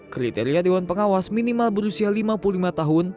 kriteria dewan pengawas minimal berusia lima puluh lima tahun